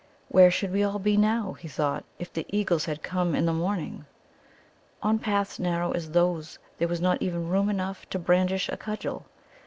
Where should we all be now, he thought, if the eagles had come in the morning? On paths narrow as those there was not even room enough to brandish a cudgel.